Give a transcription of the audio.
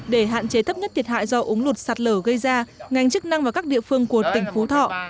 để hạn chế thấp nhất thiệt hại do ống lụt sạt lở gây ra ngành chức năng và các địa phương của tỉnh phú thọ